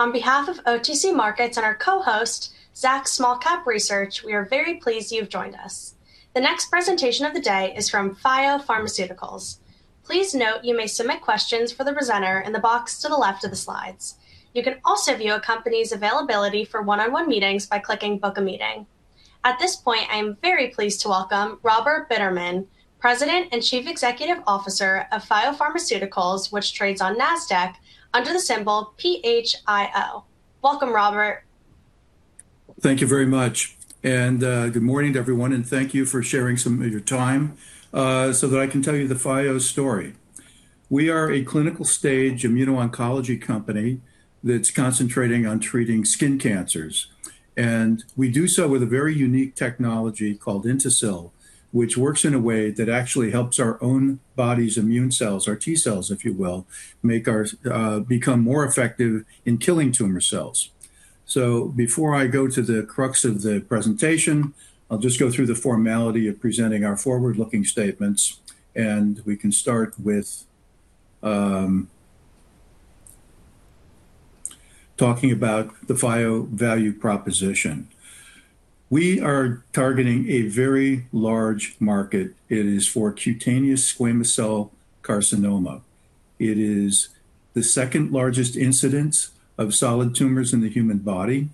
On behalf of OTC Markets and our co-host, Zacks Small Cap Research, we are very pleased you've joined us. The next presentation of the day is from Phio Pharmaceuticals. Please note you may submit questions for the presenter in the box to the left of the slides. You can also view a company's availability for one-on-one meetings by clicking Book a Meeting. At this point, I am very pleased to welcome Robert Bitterman, President and Chief Executive Officer of Phio Pharmaceuticals, which trades on Nasdaq under the symbol PHIO. Welcome, Robert. Thank you very much. Good morning to everyone, and thank you for sharing some of your time so that I can tell you the Phio story. We are a clinical-stage immuno-oncology company that's concentrating on treating skin cancers. We do so with a very unique technology called INTASYL, which works in a way that actually helps our own body's immune cells, our T-cells, if you will, become more effective in killing tumor cells. Before I go to the crux of the presentation, I'll just go through the formality of presenting our forward-looking statements, and we can start with talking about the Phio value proposition. We are targeting a very large market. It is for cutaneous squamous cell carcinoma. It is the second largest incidence of solid tumors in the human body.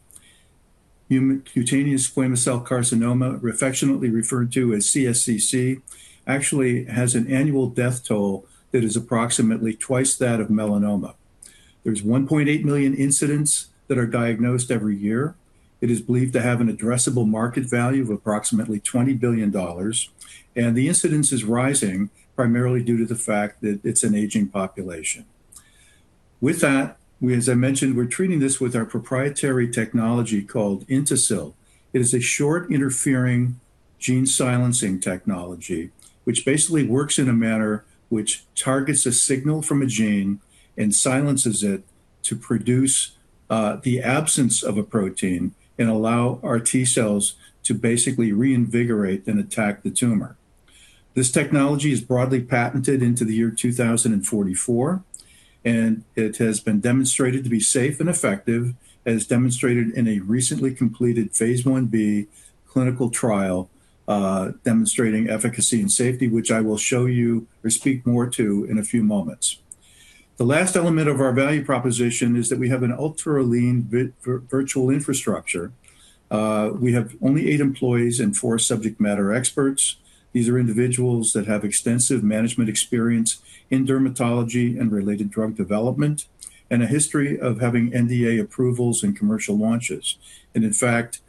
Human cutaneous squamous cell carcinoma, affectionately referred to as cSCC, actually has an annual death toll that is approximately twice that of melanoma. There's 1.8 million incidents that are diagnosed every year. It is believed to have an addressable market value of approximately $20 billion, and the incidence is rising primarily due to the fact that it's an aging population. With that, we, as I mentioned, we're treating this with our proprietary technology called INTASYL. It is a short interfering gene silencing technology, which basically works in a manner which targets a signal from a gene and silences it to produce the absence of a protein and allow our T-cells to basically reinvigorate and attack the tumor. This technology is broadly patented into the year 2044, and it has been demonstrated to be safe and effective, as demonstrated in a recently completed Phase 1b clinical trial, demonstrating efficacy and safety, which I will show you or speak more to in a few moments. The last element of our value proposition is that we have an ultra-lean virtual infrastructure. We have only eight employees and four subject matter experts. These are individuals that have extensive management experience in dermatology and related drug development and a history of having NDA approvals and commercial launches. In fact,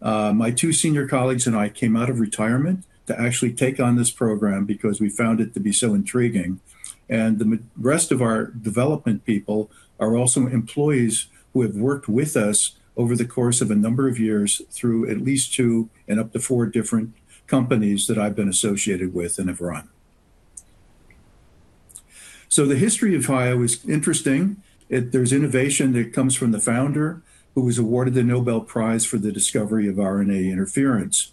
my two senior colleagues and I came out of retirement to actually take on this program because we found it to be so intriguing. The rest of our development people are also employees who have worked with us over the course of a number of years through at least two and up to four different companies that I've been associated with and have run. The history of Phio is interesting. There's innovation that comes from the founder, who was awarded the Nobel Prize for the discovery of RNA interference.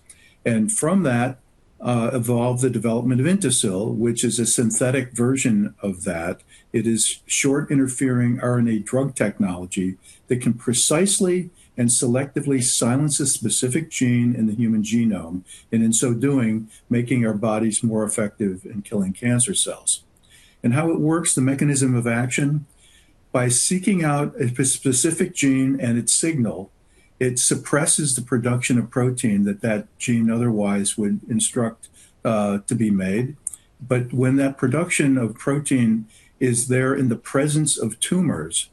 From that, evolved the development of INTASYL, which is a synthetic version of that. It is short interfering RNA drug technology that can precisely and selectively silence a specific gene in the human genome, and in so doing, making our bodies more effective in killing cancer cells. How it works, the mechanism of action, by seeking out a PD-1-specific gene and its signal, it suppresses the production of protein that gene otherwise would instruct to be made. When that production of protein is there in the presence of tumors,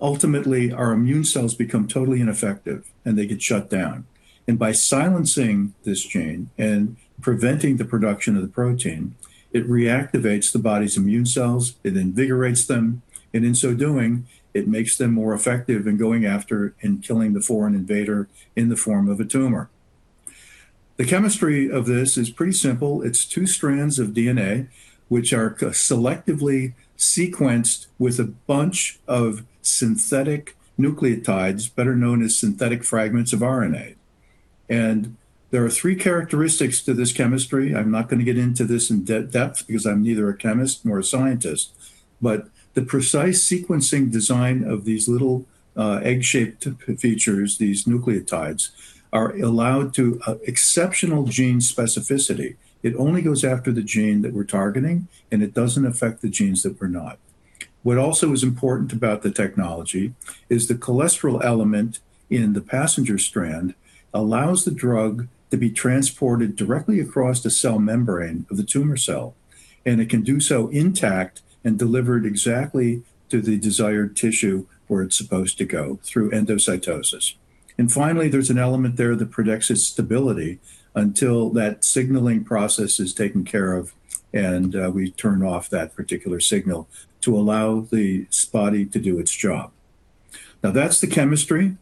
ultimately, our immune cells become totally ineffective, and they get shut down. By silencing this gene and preventing the production of the protein, it reactivates the body's immune cells, it invigorates them, and in so doing, it makes them more effective in going after and killing the foreign invader in the form of a tumor. The chemistry of this is pretty simple. It's two strands of RNA, which are selectively sequenced with a bunch of synthetic nucleotides, better known as synthetic fragments of RNA. There are three characteristics to this chemistry. I'm not gonna get into this in depth because I'm neither a chemist nor a scientist, but the precise sequencing design of these little, egg-shaped features, these nucleotides, allows for exceptional gene specificity. It only goes after the gene that we're targeting, and it doesn't affect the genes that we're not. What also is important about the technology is the cholesterol element in the passenger strand allows the drug to be transported directly across the cell membrane of the tumor cell, and it can do so intact and delivered exactly to the desired tissue where it's supposed to go through endocytosis. Finally, there's an element there that protects its stability until that signaling process is taken care of, and we turn off that particular signal to allow the therapy to do its job. Now that's the chemistry,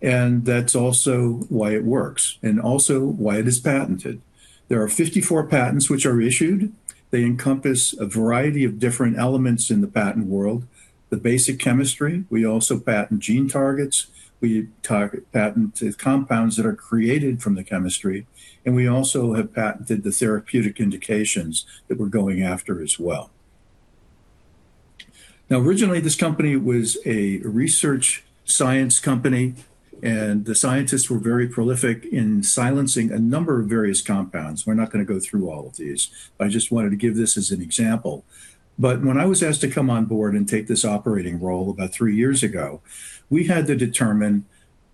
and that's also why it works, and also why it is patented. There are 54 patents which are issued. They encompass a variety of different elements in the patent world. The basic chemistry, we also patent gene targets. We patent compounds that are created from the chemistry, and we also have patented the therapeutic indications that we're going after as well. Now, originally this company was a research science company, and the scientists were very prolific in silencing a number of various compounds. We're not gonna go through all of these, but I just wanted to give this as an example. When I was asked to come on board and take this operating role about three years ago, we had to determine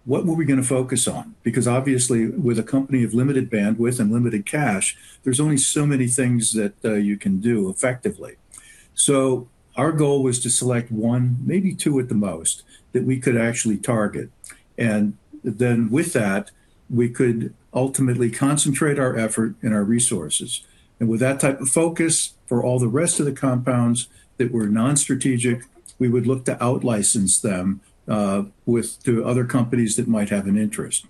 what were we gonna focus on, because obviously, with a company of limited bandwidth and limited cash, there's only so many things that you can do effectively. Our goal was to select one, maybe two at the most, that we could actually target. With that, we could ultimately concentrate our effort and our resources. With that type of focus for all the rest of the compounds that were non-strategic, we would look to out-license them through other companies that might have an interest.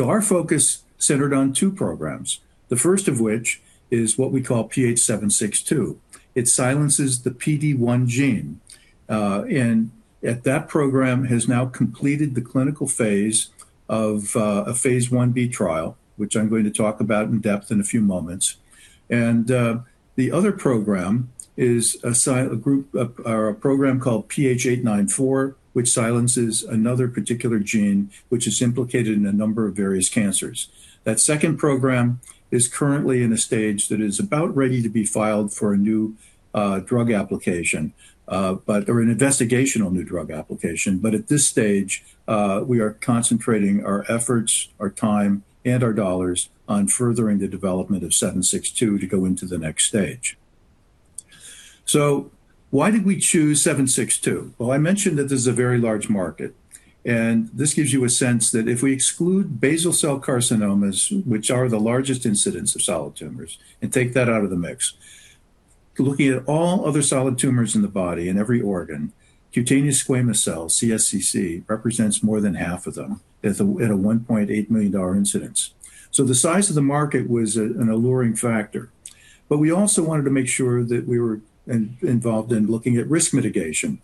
Our focus centered on two programs, the first of which is what we call PH-762. It silences the PD-1 gene. That program has now completed the clinical phase of a phase 1b trial, which I'm going to talk about in depth in a few moments. The other program is a program called PH-894, which silences another particular gene which is implicated in a number of various cancers. That second program is currently in a stage that is about ready to be filed for a new drug application or an Investigational New Drug application. At this stage, we are concentrating our efforts, our time, and our dollars on furthering the development of seven six two to go into the next stage. Why did we choose seven six two? Well, I mentioned that there's a very large market, and this gives you a sense that if we exclude basal cell carcinomas, which are the largest incidence of solid tumors, and take that out of the mix, looking at all other solid tumors in the body in every organ, cutaneous squamous cell, cSCC, represents more than half of them at a $1.8 million incidence. The size of the market was an alluring factor. We also wanted to make sure that we were involved in looking at risk mitigation.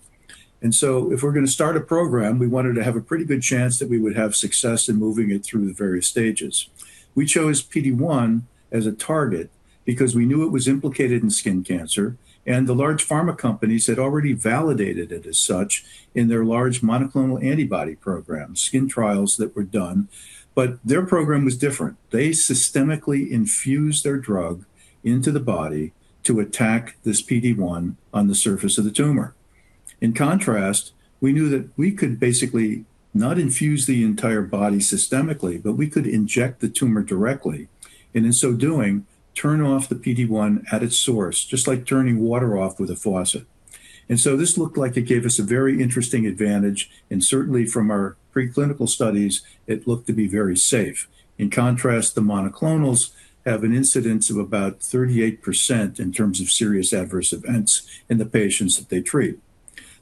If we're gonna start a program, we wanted to have a pretty good chance that we would have success in moving it through the various stages. We chose PD-1 as a target because we knew it was implicated in skin cancer, and the large pharma companies had already validated it as such in their large monoclonal antibody programs, skin trials that were done, but their program was different. They systemically infused their drug into the body to attack this PD-1 on the surface of the tumor. In contrast, we knew that we could basically not infuse the entire body systemically, but we could inject the tumor directly, and in so doing, turn off the PD-1 at its source, just like turning water off with a faucet. This looked like it gave us a very interesting advantage, and certainly from our preclinical studies, it looked to be very safe. In contrast, the monoclonals have an incidence of about 38% in terms of serious adverse events in the patients that they treat.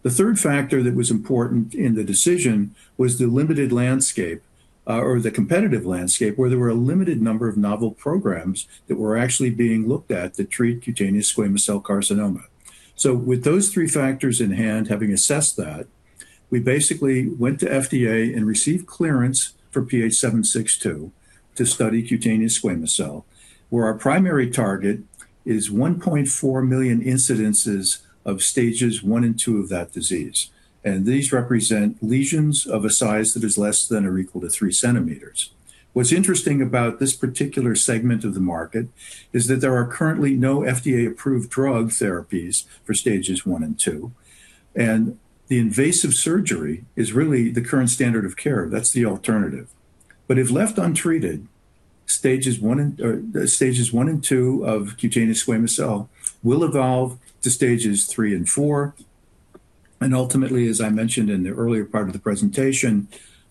The third factor that was important in the decision was the limited landscape, or the competitive landscape, where there were a limited number of novel programs that were actually being looked at to treat cutaneous squamous cell carcinoma. With those three factors in hand, having assessed that, we basically went to FDA and received clearance for PH762 to study cutaneous squamous cell, where our primary target is 1.4 million incidences of stages 1 and 2 of that disease, and these represent lesions of a size that is less than or equal to 3cm. What's interesting about this particular segment of the market is that there are currently no FDA-approved drug therapies for stages 1 and 2, and the invasive surgery is really the current standard of care. That's the alternative. Stages 1 and 2 of cutaneous squamous cell will evolve to stages 3 and 4, and ultimately, as I mentioned in the earlier part of the presentation,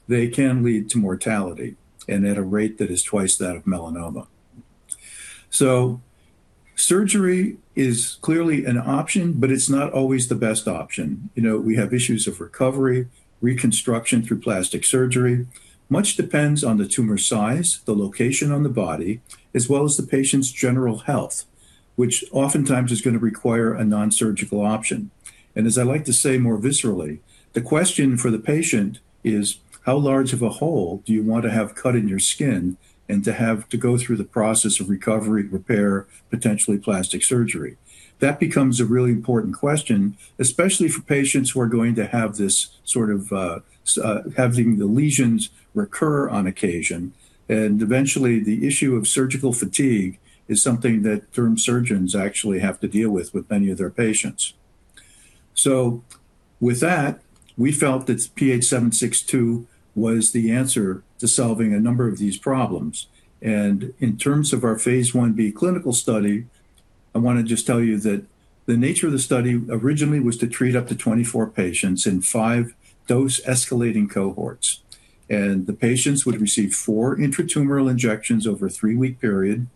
they can lead to mortality, and at a rate that is twice that of melanoma. Surgery is clearly an option, but it's not always the best option. You know, we have issues of recovery, reconstruction through plastic surgery. Much depends on the tumor size, the location on the body, as well as the patient's general health, which oftentimes is gonna require a non-surgical option. As I like to say more viscerally, the question for the patient is: how large of a hole do you want to have cut in your skin and to have to go through the process of recovery, repair, potentially plastic surgery? That becomes a really important question, especially for patients who are going to have this sort of having the lesions recur on occasion, and eventually the issue of surgical fatigue is something that derm surgeons actually have to deal with with many of their patients. With that, we felt that PH-762 was the answer to solving a number of these problems. In terms of our phase 1b clinical study, I wanna just tell you that the nature of the study originally was to treat up to 24 patients in five dose-escalating cohorts. The patients would receive four intratumoral injections over a three-week period,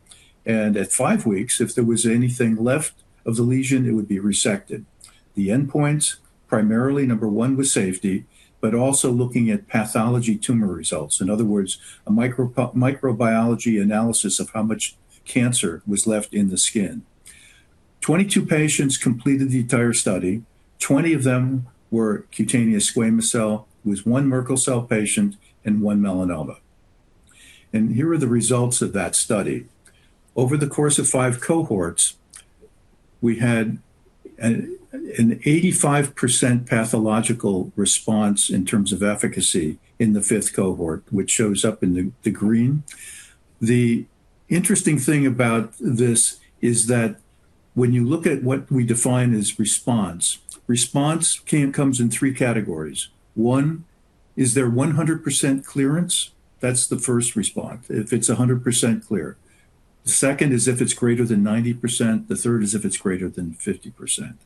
and at five weeks, if there was anything left of the lesion, it would be resected. The endpoints, primarily number one was safety, but also looking at pathology tumor results. In other words, a microbiology analysis of how much cancer was left in the skin. 22 patients completed the entire study. 20 of them were cutaneous squamous cell, with one Merkel cell patient and one melanoma. Here are the results of that study. Over the course of 5 cohorts, we had an 85% pathological response in terms of efficacy in the fifth cohort, which shows up in the green. The interesting thing about this is that when you look at what we define as response comes in three categories. One, is there 100% clearance? That's the first response, if it's 100% clear. The second is if it's greater than 90%. The third is if it's greater than 50%.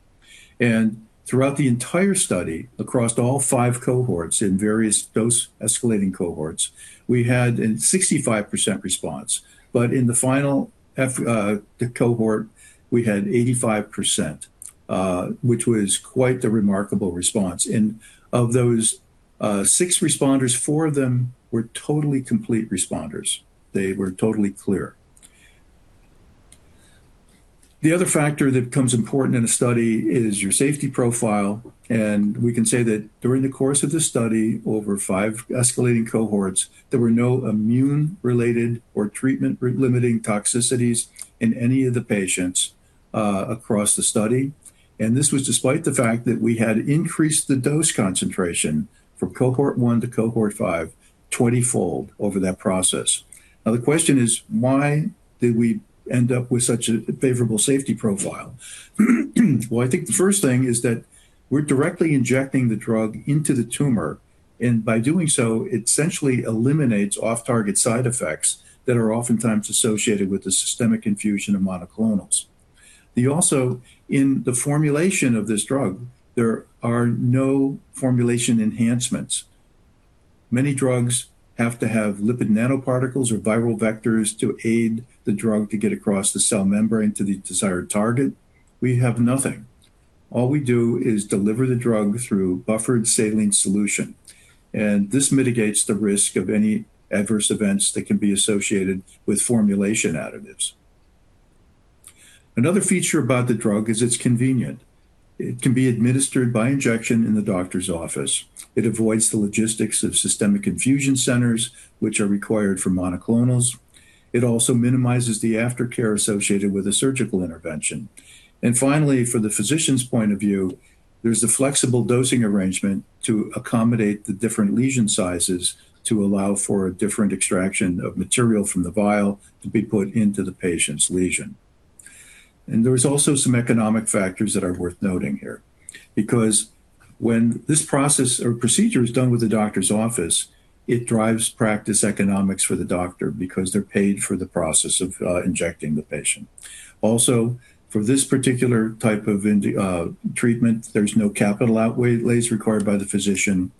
Throughout the entire study, across all 5 cohorts in various dose escalating cohorts, we had an 65% response. In the final cohort, we had 85%, which was quite the remarkable response. Of those, 6 responders, 4 of them were totally complete responders. They were totally clear. The other factor that becomes important in a study is your safety profile, and we can say that during the course of the study, over 5 escalating cohorts, there were no immune-related or treatment-related toxicities in any of the patients across the study. This was despite the fact that we had increased the dose concentration from cohort 1 to cohort 5 20-fold over that process. Now, the question is, why did we end up with such a favorable safety profile? Well, I think the first thing is that we're directly injecting the drug into the tumor, and by doing so, it essentially eliminates off-target side effects that are oftentimes associated with the systemic infusion of monoclonals. In the formulation of this drug, there are no formulation enhancements. Many drugs have to have lipid nanoparticles or viral vectors to aid the drug to get across the cell membrane to the desired target. We have nothing. All we do is deliver the drug through buffered saline solution, and this mitigates the risk of any adverse events that can be associated with formulation additives. Another feature about the drug is it's convenient. It can be administered by injection in the doctor's office. It avoids the logistics of systemic infusion centers, which are required for monoclonals. It also minimizes the aftercare associated with a surgical intervention. Finally, for the physician's point of view, there's a flexible dosing arrangement to accommodate the different lesion sizes to allow for a different extraction of material from the vial to be put into the patient's lesion. There is also some economic factors that are worth noting here because when this process or procedure is done with the doctor's office, it drives practice economics for the doctor because they're paid for the process of injecting the patient. Also, for this particular type of treatment, there's no capital outlays required by the physician.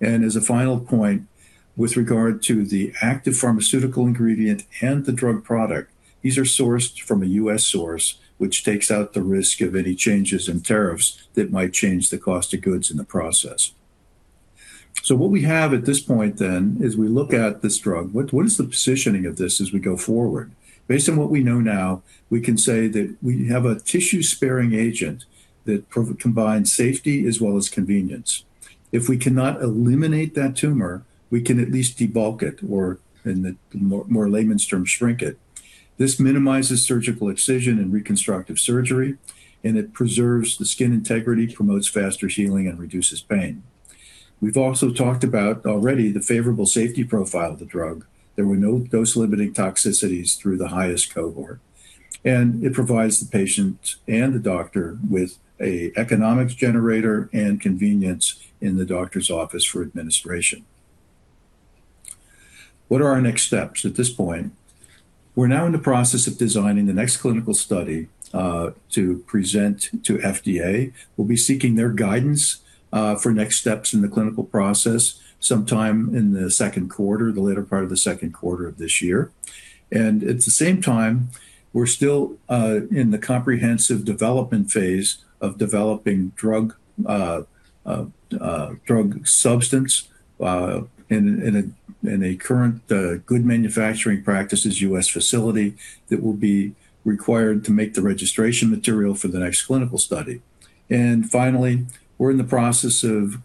As a final point, with regard to the active pharmaceutical ingredient and the drug product, these are sourced from a U.S. source, which takes out the risk of any changes in tariffs that might change the cost of goods in the process. What we have at this point then is we look at this drug. What is the positioning of this as we go forward? Based on what we know now, we can say that we have a tissue-sparing agent that combines safety as well as convenience. If we cannot eliminate that tumor, we can at least debulk it or in the more layman's term, shrink it. This minimizes surgical excision and reconstructive surgery, and it preserves the skin integrity, promotes faster healing, and reduces pain. We've also talked about already the favorable safety profile of the drug. There were no dose-limiting toxicities through the highest cohort. It provides the patient and the doctor with an economics generator and convenience in the doctor's office for administration. What are our next steps at this point? We're now in the process of designing the next clinical study to present to FDA. We'll be seeking their guidance for next steps in the clinical process sometime in the Q2, the latter part of the Q2 of this year. At the same time, we're still in the comprehensive development phase of developing drug substance in a current good manufacturing practices U.S. facility that will be required to make the registration material for the next clinical study. Finally, we're in the process of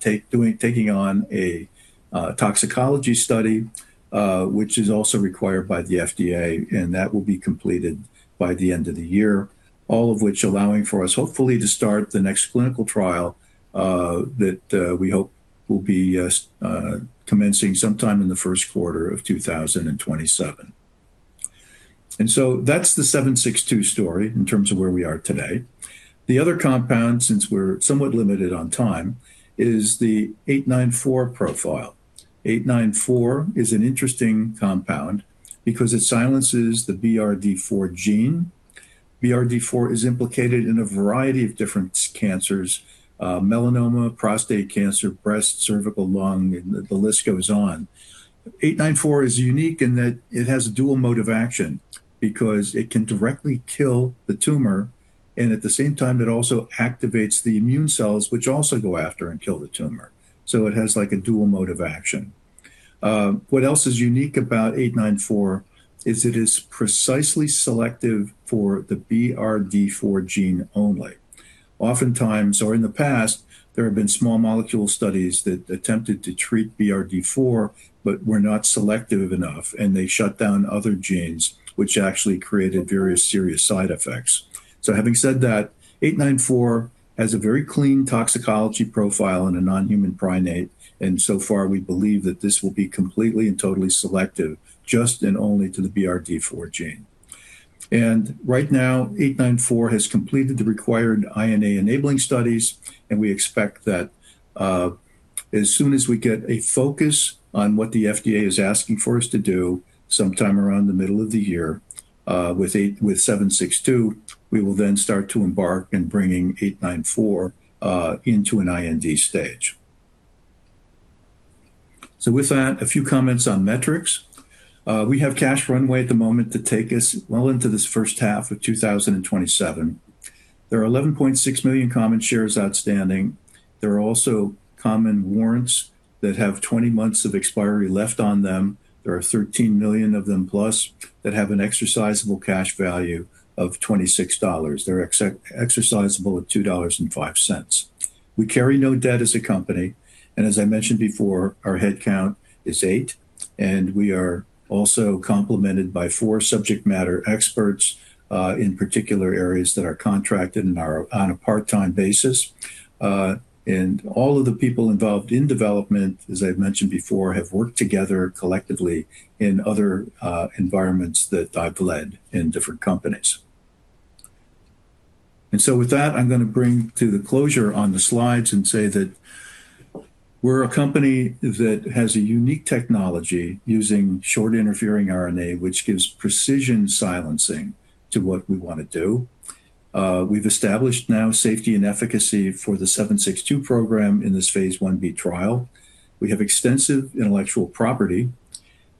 taking on a toxicology study, which is also required by the FDA, and that will be completed by the end of the year, all of which allowing for us hopefully to start the next clinical trial, that we hope will be commencing sometime in the Q1 of 2027. That's the seven six two story in terms of where we are today. The other compound, since we're somewhat limited on time, is the eight nine four profile. Eight nine four is an interesting compound because it silences the BRD4 gene. BRD4 is implicated in a variety of different cancers, melanoma, prostate cancer, breast, cervical, lung, and the list goes on. Eight nine four is unique in that it has a dual mode of action because it can directly kill the tumor. At the same time, it also activates the immune cells, which also go after and kill the tumor. It has like a dual mode of action. What else is unique about eight nine four is it is precisely selective for the BRD4 gene only. Oftentimes or in the past, there have been small molecule studies that attempted to treat BRD4 but were not selective enough, and they shut down other genes which actually created various serious side effects. Having said that, eight nine four has a very clean toxicology profile in a non-human primate, and so far we believe that this will be completely and totally selective just and only to the BRD4 gene. Right now, eight nine four has completed the required IND enabling studies, and we expect that, as soon as we get a focus on what the FDA is asking for us to do sometime around the middle of the year, with seven six two, we will then start to embark in bringing eight nine four into an IND stage. With that, a few comments on metrics. We have cash runway at the moment to take us well into this H1 of 2027. There are 11.6 million common shares outstanding. There are also common warrants that have 20 months of expiry left on them. There are 13 million of them plus that have an exercisable cash value of $26. They're exercisable at $2.05. We carry no debt as a company, and as I mentioned before, our head count is eight, and we are also complemented by four subject matter experts in particular areas that are contracted and are on a part-time basis. All of the people involved in development, as I've mentioned before, have worked together collectively in other environments that I've led in different companies. With that, I'm going to bring to the closure on the slides and say that we're a company that has a unique technology using short interfering RNA, which gives precision silencing to what we want to do. We've established now safety and efficacy for the PH-762 program in this phase 1b trial. We have extensive intellectual property,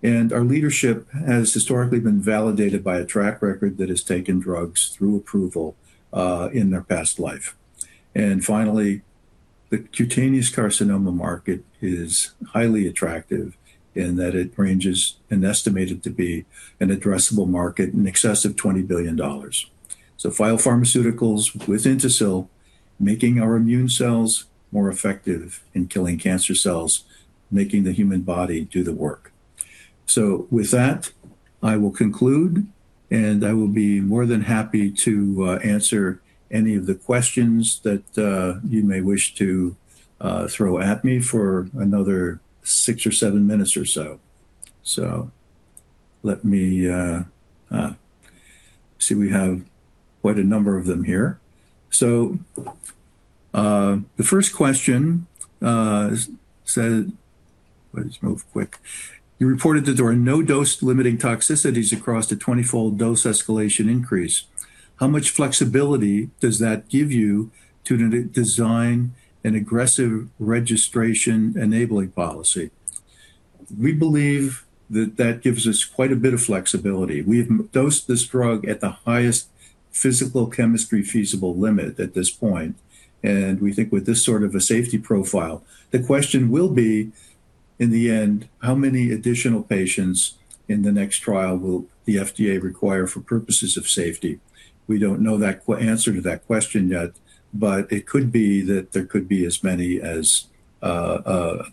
and our leadership has historically been validated by a track record that has taken drugs through approval in their past life. Finally, the cutaneous carcinoma market is highly attractive in that it is estimated to be an addressable market in excess of $20 billion. Phio Pharmaceuticals with INTASYL, making our immune cells more effective in killing cancer cells, making the human body do the work. With that, I will conclude, and I will be more than happy to answer any of the questions that you may wish to throw at me for another six or seven minutes or so. I see we have quite a number of them here. The first question said, let's move quick. You reported that there are no dose limiting toxicities across the 20-fold dose escalation increase. How much flexibility does that give you to design an aggressive registration-enabling study? We believe that that gives us quite a bit of flexibility. We have dosed this drug at the highest physicochemical feasible limit at this point, and we think with this sort of a safety profile, the question will be, in the end, how many additional patients in the next trial will the FDA require for purposes of safety? We don't know that answer to that question yet, but it could be that there could be as many as a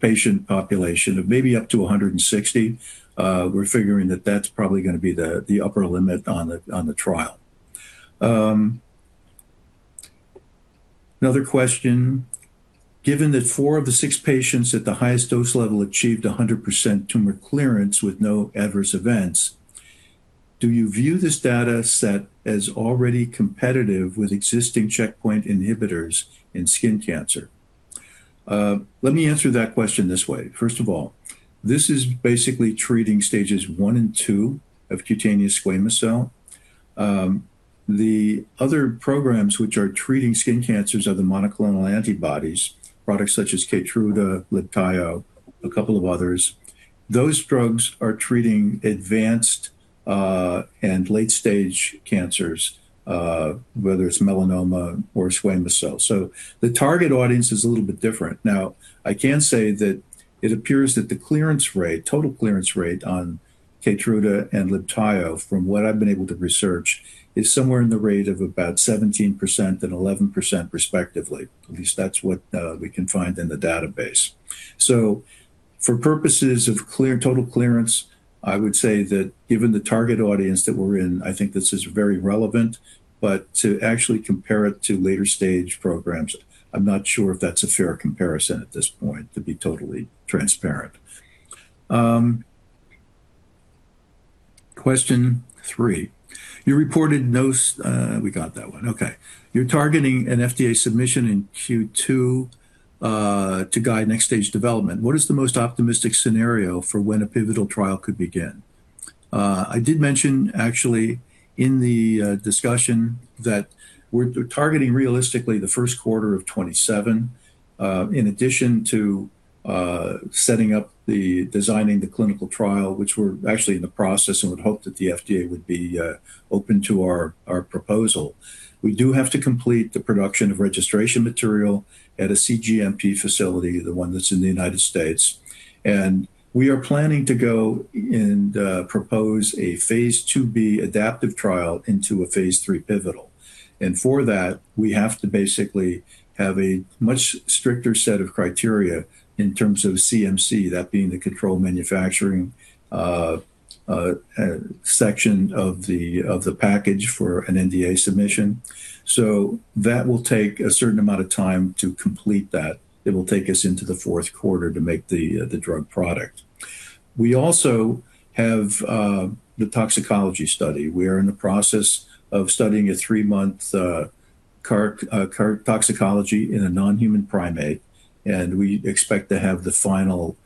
patient population of maybe up to 160. We're figuring that that's probably going to be the upper limit on the trial. Another question. Given that 4 of the 6 patients at the highest dose level achieved 100% tumor clearance with no adverse events, do you view this data set as already competitive with existing checkpoint inhibitors in skin cancer? Let me answer that question this way. First of all, this is basically treating stages 1 and 2 of cutaneous squamous cell. The other programs which are treating skin cancers are the monoclonal antibodies, products such as Keytruda, Libtayo, a couple of others. Those drugs are treating advanced and late stage cancers, whether it's melanoma or squamous cell. The target audience is a little bit different. Now, I can say that it appears that the clearance rate, total clearance rate on Keytruda and Libtayo, from what I've been able to research, is somewhere in the rate of about 17% and 11% respectively. At least that's what we can find in the database. For purposes of total clarity, I would say that given the target audience that we're in, I think this is very relevant. To actually compare it to later stage programs, I'm not sure if that's a fair comparison at this point, to be totally transparent. Question three. You reported no. We got that one. Okay. You're targeting an FDA submission in Q2 to guide next stage development. What is the most optimistic scenario for when a pivotal trial could begin? I did mention actually in the discussion that we're targeting realistically the Q1 of 2027, in addition to designing the clinical trial, which we're actually in the process and would hope that the FDA would be open to our proposal. We do have to complete the production of registration material at a cGMP facility, the one that's in the United States. We are planning to go and propose a phase 2b adaptive trial into a phase 3 pivotal. For that, we have to basically have a much stricter set of criteria in terms of CMC, that being the chemistry, manufacturing, and controls section of the package for an NDA submission. That will take a certain amount of time to complete that. It will take us into the Q4 to make the drug product. We also have the toxicology study. We are in the process of studying a 3-month toxicology in a non-human primate, and we expect to have the final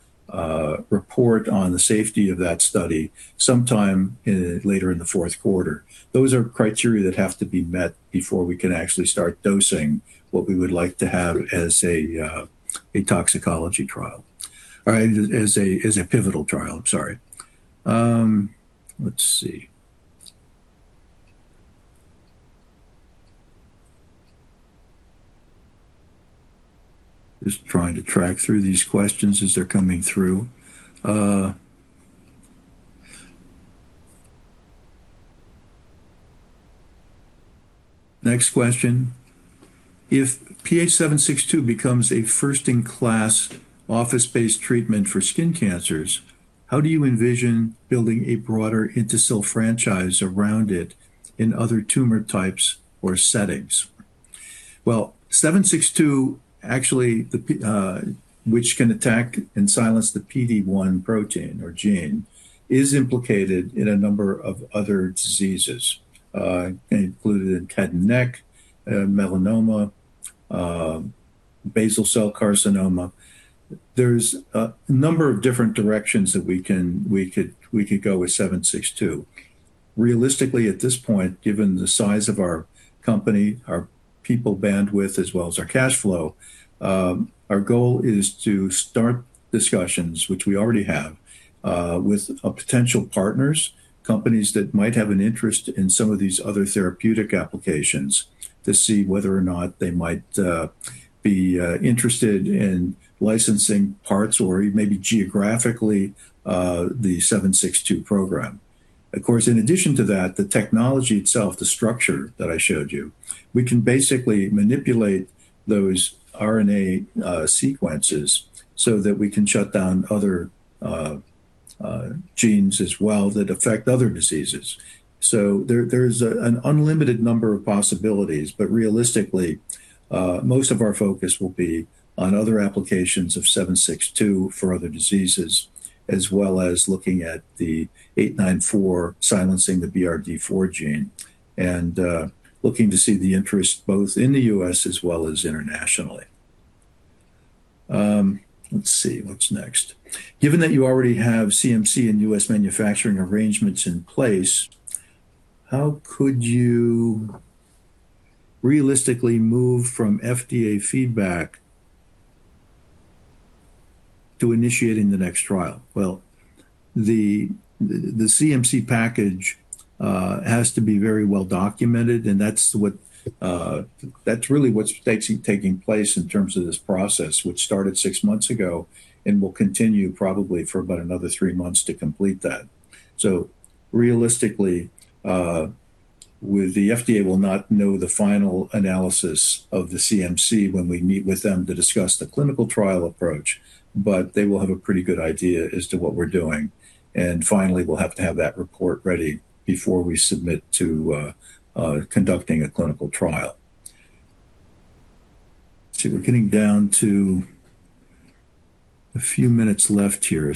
report on the safety of that study sometime later in the Q4. Those are criteria that have to be met before we can actually start dosing what we would like to have as a toxicology trial. As a pivotal trial. I'm sorry. Let's see. Just trying to track through these questions as they're coming through. Next question. If PH-762 becomes a first-in-class office-based treatment for skin cancers, how do you envision building a broader INTASYL franchise around it in other tumor types or settings? Well, PH-762, actually, which can attack and silence the PD-1 protein or gene, is implicated in a number of other diseases, including head and neck, melanoma, basal cell carcinoma. There's a number of different directions that we could go with PH-762. Realistically at this point, given the size of our company, our people bandwidth, as well as our cash flow, our goal is to start discussions, which we already have, with potential partners, companies that might have an interest in some of these other therapeutic applications to see whether or not they might be interested in licensing parts or maybe geographically the PH-762 program. Of course, in addition to that, the technology itself, the structure that I showed you, we can basically manipulate those RNA sequences so that we can shut down other genes as well that affect other diseases. There's an unlimited number of possibilities. Realistically, most of our focus will be on other applications of PH-762 for other diseases, as well as looking at the PH-894 silencing the BRD4 gene and looking to see the interest both in the U.S. as well as internationally. Let's see, what's next? Given that you already have CMC and U.S. manufacturing arrangements in place, how could you realistically move from FDA feedback to initiating the next trial? Well, the CMC package has to be very well documented, and that's really what's taking place in terms of this process, which started six months ago and will continue probably for about another three months to complete that. Realistically, with the FDA will not know the final analysis of the CMC when we meet with them to discuss the clinical trial approach, but they will have a pretty good idea as to what we're doing. Finally, we'll have to have that report ready before we submit to conducting a clinical trial. Let's see, we're getting down to a few minutes left here.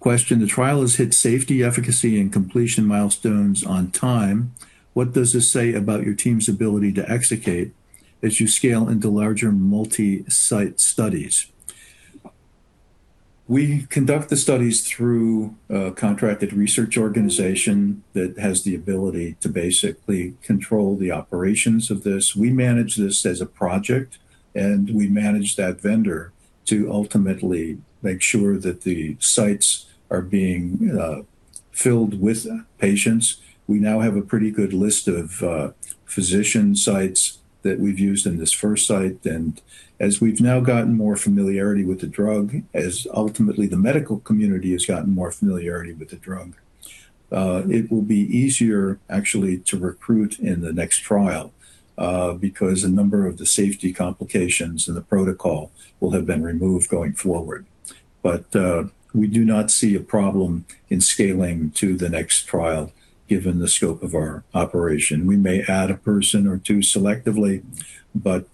Question, the trial has hit safety, efficacy, and completion milestones on time. What does this say about your team's ability to execute as you scale into larger multi-site studies? We conduct the studies through a contracted research organization that has the ability to basically control the operations of this. We manage this as a project, and we manage that vendor to ultimately make sure that the sites are being filled with patients. We now have a pretty good list of physician sites that we've used in this first site. As we've now gotten more familiarity with the drug, as ultimately the medical community has gotten more familiarity with the drug, it will be easier actually to recruit in the next trial, because a number of the safety complications in the protocol will have been removed going forward. We do not see a problem in scaling to the next trial given the scope of our operation. We may add a person or two selectively, but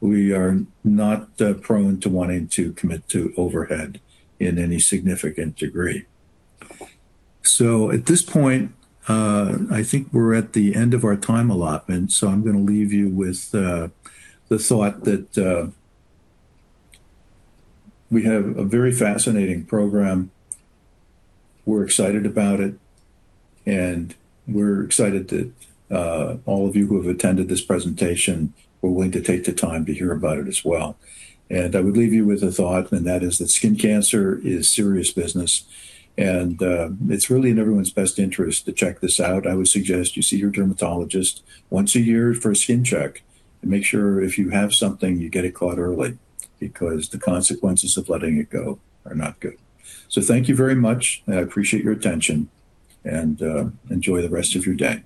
we are not prone to wanting to commit to overhead in any significant degree. At this point, I think we're at the end of our time allotment, so I'm gonna leave you with the thought that we have a very fascinating program. We're excited about it, and we're excited that all of you who have attended this presentation were willing to take the time to hear about it as well. I would leave you with a thought, and that is that skin cancer is serious business, and it's really in everyone's best interest to check this out. I would suggest you see your dermatologist once a year for a skin check and make sure if you have something, you get it caught early, because the consequences of letting it go are not good. Thank you very much, and I appreciate your attention, and enjoy the rest of your day.